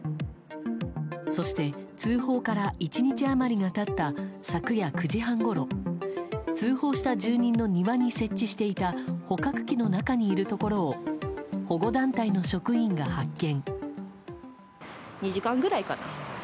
そして、通報から１日余りが経った昨夜９時半ほど通報した住人の庭に設置していた捕獲器の中にいるところを保護団体の職員が発見。